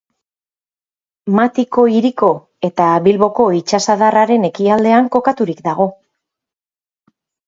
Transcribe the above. Matiko hiriko eta Bilboko itsasadarraren ekialdean kokaturik dago.